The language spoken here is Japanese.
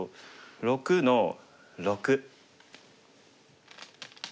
６の六。